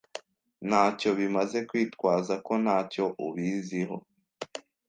Ntacyo bimaze kwitwaza ko ntacyo ubiziho.